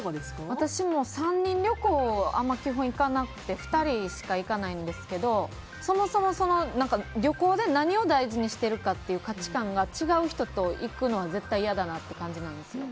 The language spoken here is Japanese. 私も３人旅行は基本行かなくて２人しか行かないんですけどそもそも旅行で何を大事にしてるかという価値観が違う人と行くのは絶対嫌だなって感じなんです。